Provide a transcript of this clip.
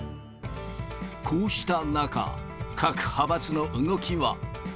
こうした中、各派閥の動きは。